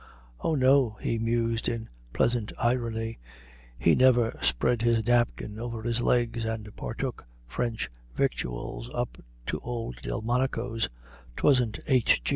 "Oh, no!" he mused in pleasant irony, "he never spread his napkin over his legs and partook French victuals up to old Delmonico's. 'Twasn't H.